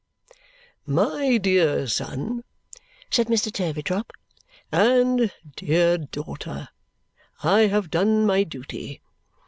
"My dear son," said Mr. Turveydrop, "and dear daughter, I have done my duty.